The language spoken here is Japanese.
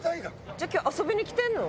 じゃあ今日遊びに来てるの？